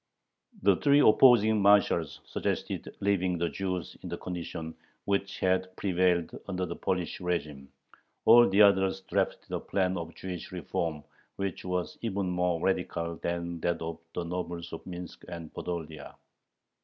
The three opposing marshals suggested leaving the Jews in the condition which had prevailed under the Polish régime. All the others drafted a plan of Jewish "reform," which was even more radical than that of the nobles of Minsk and Podolia.